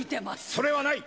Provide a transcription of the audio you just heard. それはない！